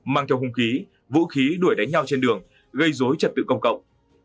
mang theo hung khí vũ khí đuổi đánh nhau trên đường gây dối trật tự công cộng